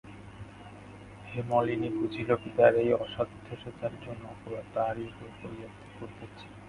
হেমনলিনী বুঝিল, পিতার এই অস্বাসেথ্যর জন্য অপরাধ তাহারই উপরে পড়িতেছে।